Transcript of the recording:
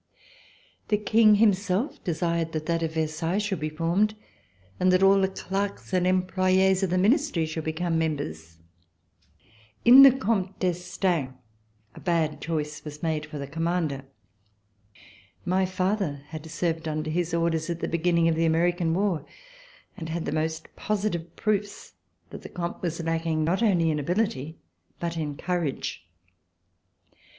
The King himself desired that that of Versailles should be formed and that all the clerks and employes of the Ministry should become mem bers. In the Comte d'Estaing a bad choice was made for the Commander. My father had served under his orders at the beginning of the American war and had the most positive proofs that the Comte was lacking not only in ability but in courage.